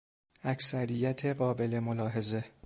اکثریت قابل ملاحظه